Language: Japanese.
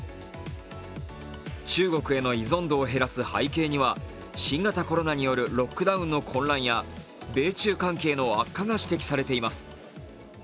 中国への依存度を減らす背景には新型コロナによるロックダウンの混乱や、米中金木の悪化が指摘されています。